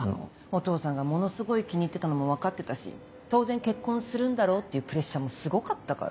お父さんがものすごい気に入ってたのも分かってたし「当然結婚するんだろ」っていうプレッシャーもすごかったから。